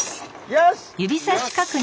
よし！